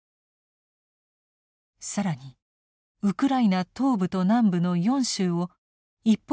更にウクライナ東部と南部の４州を一方的に併合すると宣言。